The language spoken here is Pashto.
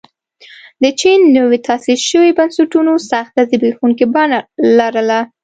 د چین نویو تاسیس شویو بنسټونو سخته زبېښونکې بڼه لرله.